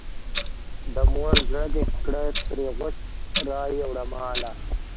د مور زړه دې کړه ترې غوڅ رایې وړه ماله.